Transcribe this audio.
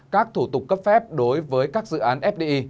các thủ tục cấp phép đối với các dự án fdi